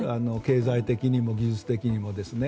経済的にも技術的にも。